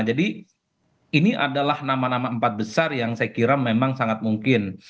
jadi ini adalah nama nama empat besar yang saya kira memang sangat mungkin